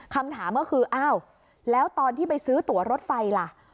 คำถามก็คืออ้าวแล้วตอนที่ไปซื้อตัวรถไฟล่ะ